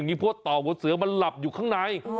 เพราะว่าต่อหัวเสือมันหลับอยู่ข้างใน